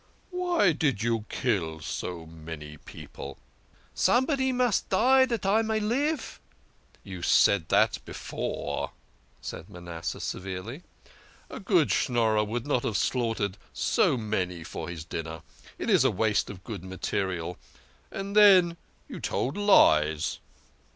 " Why did you kill so many people ?"" Somebody must die dat I may live." "You said that before," said Manasseh severely. "A good Schnorrer would not have slaughtered so many for his dinner. It is a waste of good material. And then you told lies